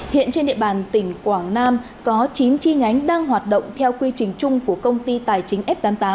hiện trên địa bàn tỉnh quảng nam có chín chi nhánh đang hoạt động theo quy trình chung của công ty tài chính f tám mươi tám